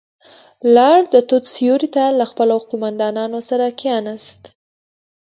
لاړ، د توت سيورې ته له خپلو قوماندانانو سره کېناست.